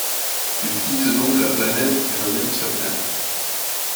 Ils quittent donc la planète et reviennent sur Terre.